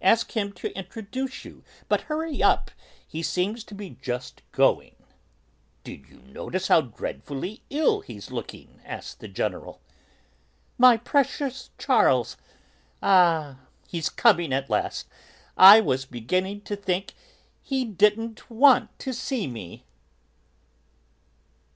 Ask him to introduce you. But hurry up, he seems to be just going!" "Did you notice how dreadfully ill he's looking?" asked the General. "My precious Charles? Ah, he's coming at last; I was beginning to think he didn't want to see me!"